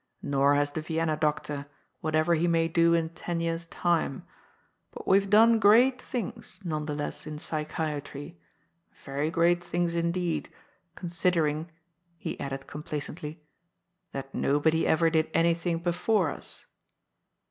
" Nor has the Vienna doctor, whatever he may do in ten years' time. But we have done great things, none the less, in psychiatry, very great things indeed, considering "— ^he added complacently —" that nobody ever did anything before us."